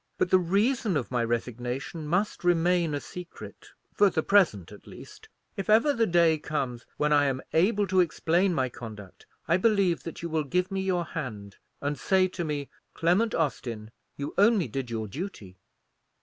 But the reason of my resignation must remain a secret; for the present at least. If ever the day comes when I am able to explain my conduct, I believe that you will give me your hand, and say to me, 'Clement Austin, you only did your duty.'"